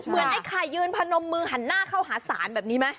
ไอ้ไข่ยืนพนมมือหันหน้าเข้าหาศาลแบบนี้ไหม